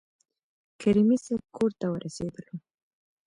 کریمي صیب کورته ورسېدلو.